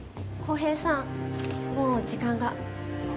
浩平さんもう時間が。